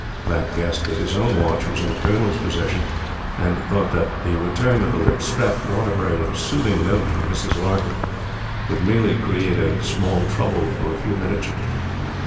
Platte guessed that his own watch was in the Colonel's possession, and thought that the return of the lip strapped Waterbury with a soothing note from Mrs. Larkyn, would merely create a small trouble for a few minutes.